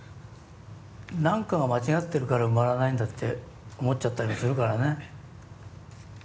何かが間違ってるから埋まらないんだって思っちゃったりもするからね。